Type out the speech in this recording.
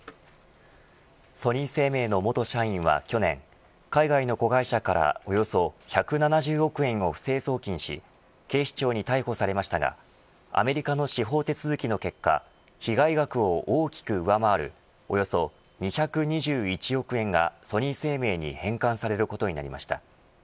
ソニー生命の元社員は去年海外の子会社からおよそ１７０億円を不正送金し警視庁に逮捕されましたがアメリカの司法手続きの結果被害額を大きく上回るおよそ２２１億円がソニー生命に返還されることになりました。